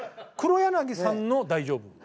黒柳さんの「大丈夫」？